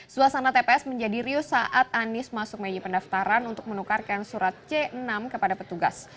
suasana tps menjadi riuh saat anies masuk meja pendaftaran untuk menukarkan surat c enam kepada petugas